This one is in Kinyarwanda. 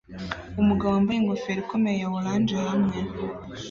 Umugabo wambaye ingofero ikomeye ya orange hamwe